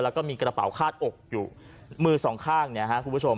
แล้วก็มีกระเป๋าคาดอกอยู่มือสองข้างเนี่ยฮะคุณผู้ชม